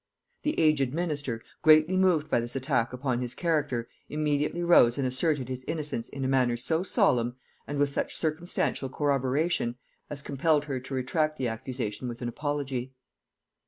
The aged minister, greatly moved by this attack upon his character, immediately rose and asserted his innocence in a manner so solemn, and with such circumstantial corroboration, as compelled her to retract the accusation with an apology.